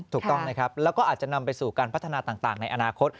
ถูกต้องนะครับแล้วก็อาจจะนำไปสู่การพัฒนาต่างในอนาคต